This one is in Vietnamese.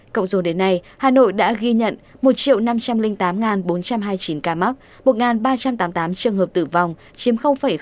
cộng dù đến nay hà nội đã ghi nhận một năm trăm linh tám bốn trăm hai mươi chín ca mắc một ba trăm tám mươi tám trường hợp tử vong chiếm ba